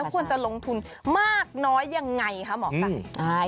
แล้วควรจะลงทุนมากน้อยยังไงคะหมอกัน